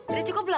udah cukup lo